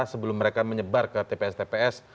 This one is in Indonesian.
sebelum mereka menyebar ke tps tps